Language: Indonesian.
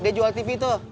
dia jual tv tuh